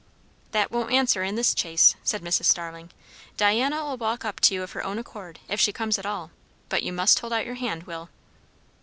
"That won't answer in this chase," said Mrs. Starling. "Diana'll walk up to you of her own accord, if she comes at all; but you must hold out your hand, Will."